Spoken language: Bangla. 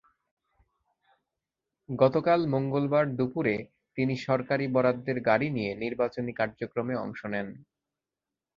গতকাল মঙ্গলবার দুপুরে তিনি সরকারি বরাদ্দের গাড়ি নিয়ে নির্বাচনী কার্যক্রমে অংশ নেন।